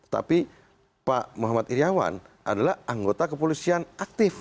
tapi pak muhammad iryawan adalah anggota kepolisian aktif